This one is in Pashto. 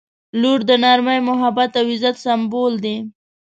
• لور د نرمۍ، محبت او عزت سمبول دی.